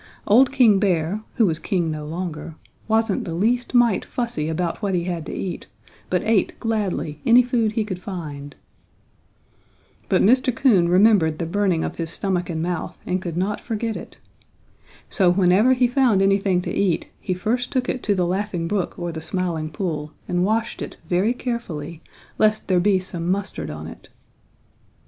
Old King Bear, who was king no longer, wasn't the least mite fussy about what he had to eat, but ate gladly any food he could find. "But Mr. Coon remembered the burning of his stomach and mouth and could not forget it. So whenever he found anything to eat he first took it to the Laughing Brook or the Smiling Pool and washed it very carefully, lest there be some mustard on it.